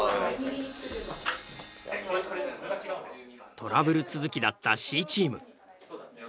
トラブル続きだったＣチーム。